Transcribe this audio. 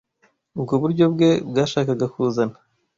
Ubwo buryo bwe bwashakaga kuzana